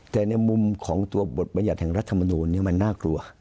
แต่ในมุมของตัวบทบรรยัติแห่งรัฐมนูลมันน่ากลัว